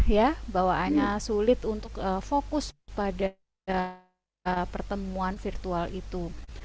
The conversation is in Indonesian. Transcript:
nah sulit untuk fokus pada pertemuan virtual itu